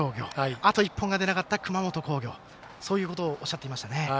あと１本が出なかった熊本工業そういうことをおっしゃっていましたね。